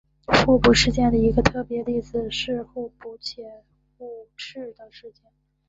互补事件的一个特别例子是互补且互斥的事件。